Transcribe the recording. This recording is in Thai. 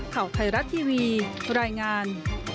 ข่าวไทยรัฐทีวีรายงาน